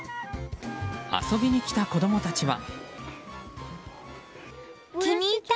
遊びに来た子供たちは。